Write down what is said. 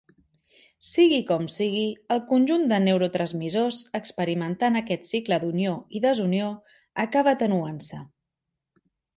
Sigui com sigui, el conjunt de neurotransmissors experimentant aquest cicle d'unió i desunió, acaba atenuant-se.